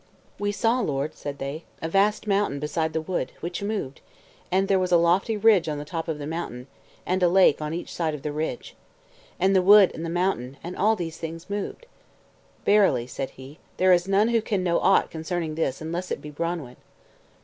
"We saw, lord," said they, "a vast mountain beside the wood, which moved, and there was a lofty ridge on the top of the mountain, and a lake on each side of the ridge. And the wood and the mountain, and all these things, moved." "Verily," said he, "there is none who can know aught concerning this unless it be Branwen."